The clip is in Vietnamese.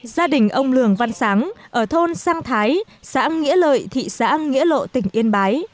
gia đình ông lường văn sáng ở thôn sang thái xã nghĩa lợi thị xã nghĩa lộ tỉnh yên bái